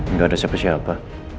nggak ada siapa siapa